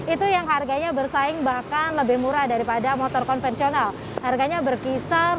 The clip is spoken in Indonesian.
itu yang harganya bersaing bahkan lebih murah daripada motor konvensional harganya berkisar